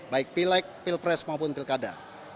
baik pileg pilpres maupun pilkada